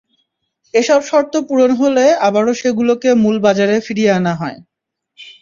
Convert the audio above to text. এসব শর্ত পূরণ হলে আবারও সেগুলোকে মূল বাজারে ফিরিয়ে আনা হয়।